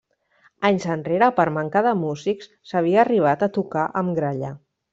Anys enrere, per manca de músics, s'havia arribat a tocar amb gralla.